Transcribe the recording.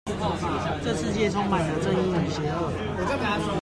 這世界充滿了正義與邪惡